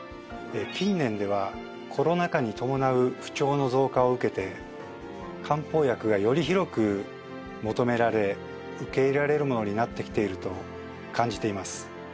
近年ではコロナ禍に伴う不調の増加を受けて漢方薬がより広く求められ受け入れられるものになってきていると感じています。